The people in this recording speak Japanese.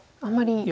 あんまり。